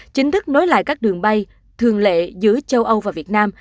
chính thức nối lại các đường bay thường lệ giữa châu âu và việt nam